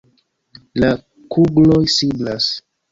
La kugloj siblas.